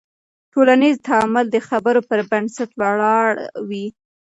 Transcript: ټولنیز تعامل د خبرو پر بنسټ ولاړ وي.